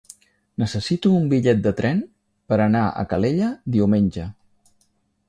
Necessito un bitllet de tren per anar a Calella diumenge.